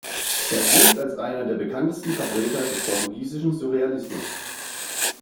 Er gilt als einer der bekanntesten Vertreter des portugiesischen Surrealismus.